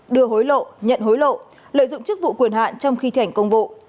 đưa hối lộ nhận hối lộ lợi dụng chức vụ quyền hạn trong khi thảnh công vụ